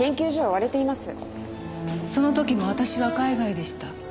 その時も私は海外でした。